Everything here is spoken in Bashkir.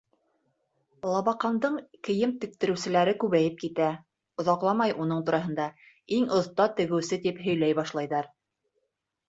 Лабаҡандың кейем тектереүселәре күбәйеп китә, оҙаҡламай уның тураһында «иң оҫта тегеүсе» тип һөйләй башлайҙар.